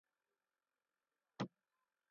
څھا لِکیت۔